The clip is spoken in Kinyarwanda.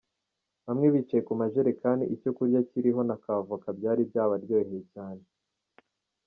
Bamwe bicaye ku majerekani, icyo kurya kiriho na ka avoka byari byabaryoheye cyane.